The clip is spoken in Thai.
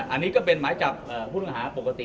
อันนี้ก็เป็นหมายจับผู้ต้องหาปกติ